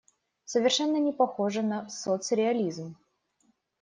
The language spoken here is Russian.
Совершенно не похоже на соцреализм.